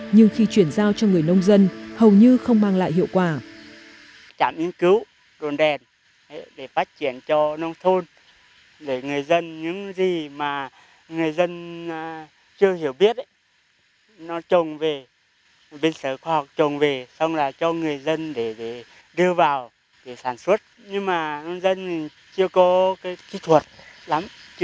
nhưng khi chuyển giao cho người nông dân hầu như không mang lại hiệu quả